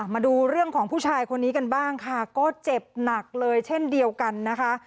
มาดูเรื่องของผู้ชายคนนี้กันบ้างค่ะก็เจ็บหนักเลยเช่นเดียวกันนะคะ